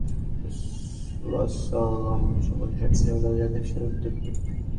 সকলেই রাসূল সাল্লাল্লাহু আলাইহি ওয়াসাল্লাম সম্পর্কে সঠিক সংবাদ জানতে ভীষণ উদগ্রীব।